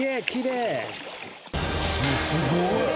すごい！